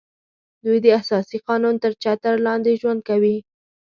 دوی د اساسي قانون تر چتر لاندې ژوند کوي